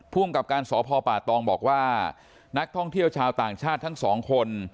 กับการสพป่าตองบอกว่านักท่องเที่ยวชาวต่างชาติทั้งสองคน